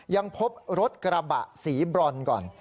ยังพบรถกระบะสีบรอนก่อน